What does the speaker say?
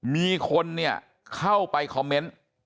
มีคนเนี่ยเข้าไปคอมเมนต์